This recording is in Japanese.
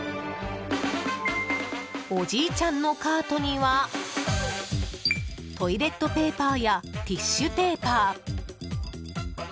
おじいちゃんのカートにはトイレットペーパーやティッシュペーパー。